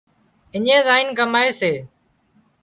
اڃي زائينَ ڪمائي سي